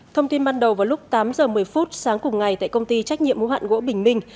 thông tin ban đầu vào lúc tám giờ một mươi phút sáng cùng ngày tại công ty trách nhiệm hữu hạn gỗ bình minh